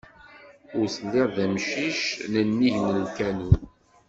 Ur telliḍ d amcic n nnig lkanun.